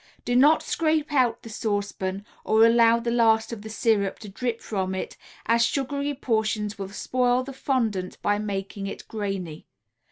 Do not scrape out the saucepan or allow the last of the syrup to drip from it, as sugary portions will spoil the fondant by making it grainy.